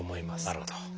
なるほど。